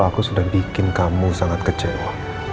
aku sudah bikin kamu sangat kecewa